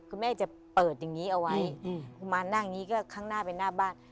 คุณแม่จะเปิดอย่างนี้เอาไว้กุมารนั่งอย่างนี้ก็ข้างหน้าเป็นหน้าบ้าน